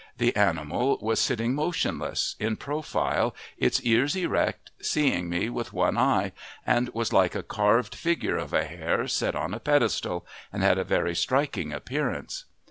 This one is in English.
The animal was sitting motionless, in profile, its ears erect, seeing me with one eye, and was like a carved figure of a hare set on a pedestal, and had a very striking appearance.